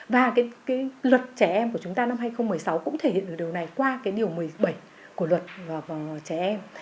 và cái luật trẻ em của chúng ta năm hai nghìn một mươi sáu cũng thể hiện được điều này qua cái điều một mươi bảy của luật trẻ em